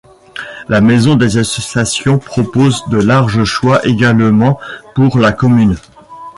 La maison des associations propose de larges choix également pour la commune.